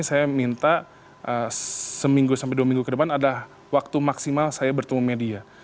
saya minta seminggu sampai dua minggu ke depan ada waktu maksimal saya bertemu media